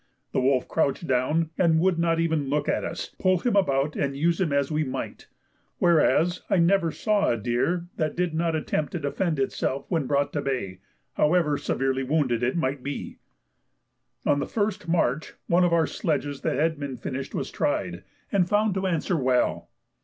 The wolf crouched down and would not even look at us, pull him about and use him as we might; whereas I never saw a deer that did not attempt to defend itself when brought to bay, however severely wounded it might be. On the 1st March one of our sledges that had been finished was tried, and found to answer well.